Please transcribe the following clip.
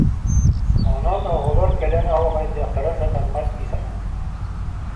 Онон оҕолор кэлэн оһуохайдыахтарын сатаммат дии санаатым